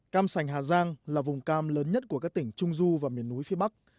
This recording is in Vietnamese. cam sành hà giang là vùng cam lớn nhất của các tỉnh trung du và miền núi phía bắc